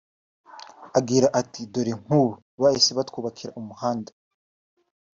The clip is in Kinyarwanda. Agira ati “Dore nkubu bahise batwubakira umuhanda